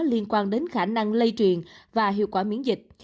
liên quan đến khả năng lây truyền và hiệu quả miễn dịch